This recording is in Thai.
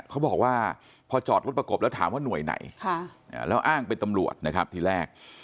เขาบอกว่าพอจอดรถประกบแล้วถามว่าหน่วยไหนแล้วอ้างเป็นตำรวจนะครับทีแรก